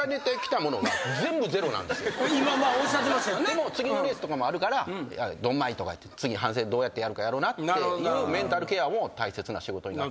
でも次のレースとかもあるからドンマイとか言って次どうやってやるかやろなっていうメンタルケアも大切な仕事になって。